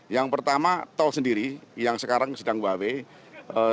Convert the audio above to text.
yang pertama tol sendiri yang sekarang sedang one way